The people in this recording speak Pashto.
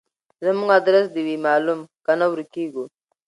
زموږ ادرس دي وي معلوم کنه ورکیږو